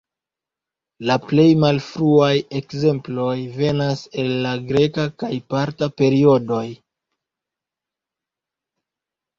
La plej malfruaj ekzemploj venas el la greka kaj parta periodoj.